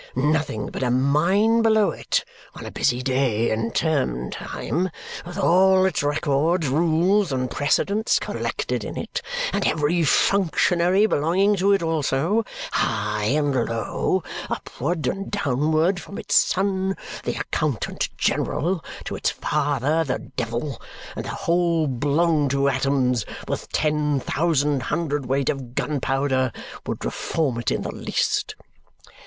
"Nothing but a mine below it on a busy day in term time, with all its records, rules, and precedents collected in it and every functionary belonging to it also, high and low, upward and downward, from its son the Accountant General to its father the Devil, and the whole blown to atoms with ten thousand hundredweight of gunpowder, would reform it in the least!"